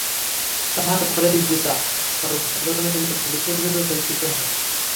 তাঁহার পরেই গীতা সর্বসাধারণের মধ্যে বিশেষরূপে পরিচিত হয়।